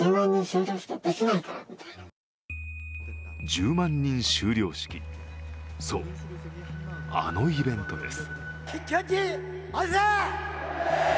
１０万人修了式、そう、あのイベントです。